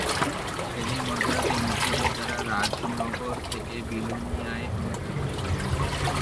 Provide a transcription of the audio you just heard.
সেদিন মধ্যরাতে মুক্তিযোদ্ধারা রাজনগর থেকে বিলোনিয়ায় অনুপ্রবেশ করেন।